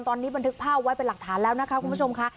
ตอนนี้บันทึกภาพไว้เป็นหลักฐานแล้วนะคะคุณผู้ชมค่ะ